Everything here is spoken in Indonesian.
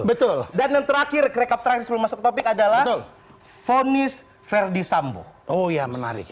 betul dan yang terakhir rekap terakhir sebelum masuk topik adalah vonis verdi sambo oh ya menarik